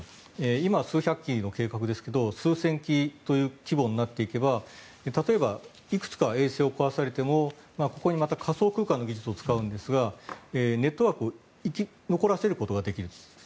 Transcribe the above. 今、数百機の計画ですが数千機になれば例えばいくつか衛星を壊されてもここに仮想空間の技術を使うんですがネットワークを残させることができるんです。